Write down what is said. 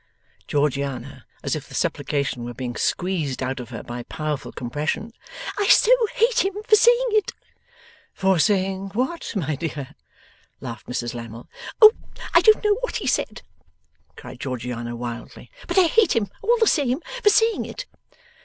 Georgiana, as if the supplication were being squeezed out of her by powerful compression. 'I so hate him for saying it!' 'For saying what, my dear?' laughed Mrs Lammle. 'Oh, I don't know what he said,' cried Georgiana wildly, 'but I hate him all the same for saying it.